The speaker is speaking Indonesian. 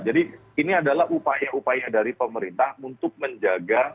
jadi ini adalah upaya upaya dari pemerintah untuk menjaga